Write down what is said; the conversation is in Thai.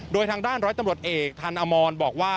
โดยทางด้านร้อยตำรวจเอกทันอมรบอกว่า